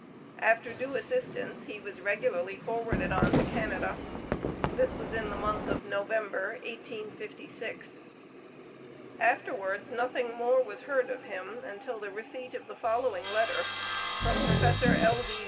After due assistance, he was regularly forwarded on to Canada. This was in the month of November, 1856. Afterwards nothing more was heard of him, until the receipt of the following letter from Prof. L.D.